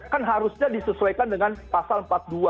kan harusnya disesuaikan dengan pasal empat puluh dua